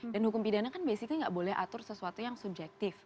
dan hukum pidana kan basically gak boleh atur sesuatu yang subjektif